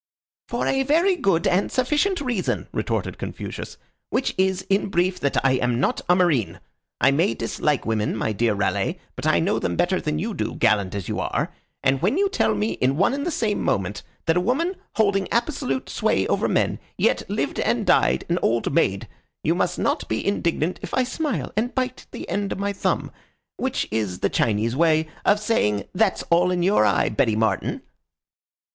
"For a very good and sufficient reason," retorted Confucius, "which is, in brief, that I am not a marine. I may dislike women, my dear Raleigh, but I know them better than you do, gallant as you are; and when you tell me in one and the same moment that a woman holding absolute sway over men yet lived and died an old maid, you must not be indignant if I smile and bite the end of my thumb, which is the Chinese way of saying that's all in your eye, Betty Martin."